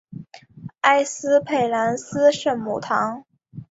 埃斯佩兰斯圣母堂。